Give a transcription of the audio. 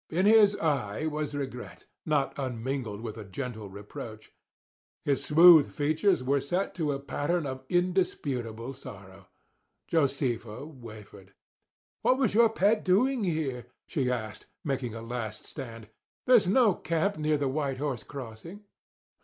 In his eye was regret, not unmingled with a gentle reproach. His smooth features were set to a pattern of indisputable sorrow. Josefa wavered. "What was your pet doing here?" she asked, making a last stand. "There's no camp near the White Horse Crossing."